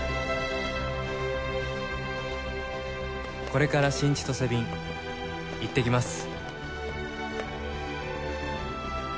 「これから新千歳便いってきます！」